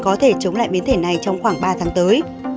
có thể chống lại biến thể này trong khoảng ba tháng tới